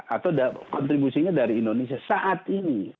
atau kontribusinya dari indonesia saat ini